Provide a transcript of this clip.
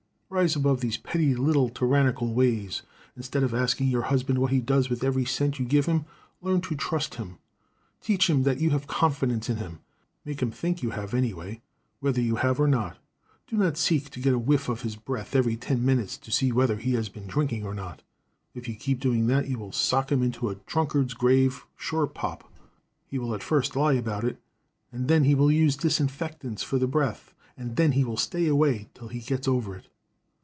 Rise above these petty little tyrannical ways. Instead of asking your husband what he does with every cent you give him, learn to trust him. Teach him that you have confidence in him. Make him think you have anyway, whether you have or not. Do not seek to get a whiff of his breath every ten minutes to see whether he has been drinking or not. If you keep doing that you will sock him into a drunkard's grave, sure pop. He will at first lie about it, then he will use disinfectants for the breath, and then he will stay away till he gets over it.